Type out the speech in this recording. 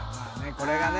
これがね